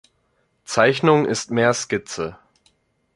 Zeichnung ist mehr Skizze.